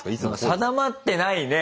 定まってないね